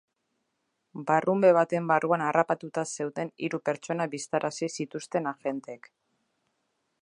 Barrunbe baten barruan harrapatuta zeuden hiru pertsona bistarazi zituzten agenteek.